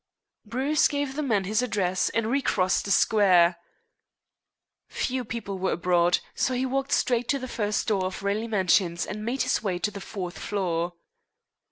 Bruce gave the man his address and recrossed the square. Few people were abroad, so he walked straight to the first door of Raleigh Mansions and made his way to the fourth floor.